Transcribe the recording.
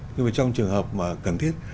nhưng mà trong trường hợp mà cần thiết